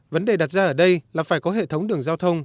vấn đề đặt ra ở đây là phải có hệ thống đường giao thông